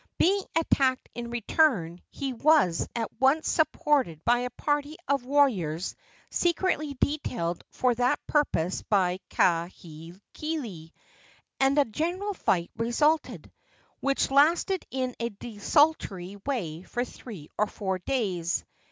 Being attacked in return, he was at once supported by a party of warriors secretly detailed for that purpose by Kahekili, and a general fight resulted, which lasted in a desultory way for three or four days.